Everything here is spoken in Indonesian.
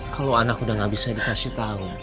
kalau anak udah nggak bisa dikasih tau ibu